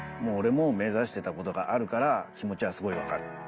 俺も目指してたことがあるから気持ちはすごい分かる。